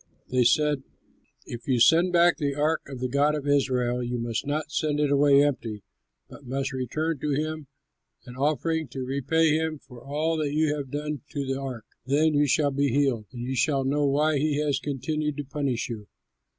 They said, "If you send back the ark of the god of Israel, you must not send it away empty, but must return to him an offering to repay him for all that you have done to the ark. Then you shall be healed, and you shall know why he has continued to punish you."